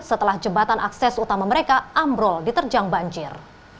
setelah jembatan akses utama mereka ambrol diterjang banjir